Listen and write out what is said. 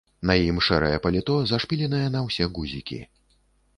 На ім шэрае паліто, зашпіленае на ўсе гузікі.